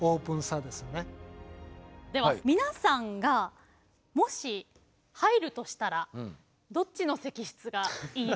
では皆さんがもし入るとしたらどっちの石室がいいか。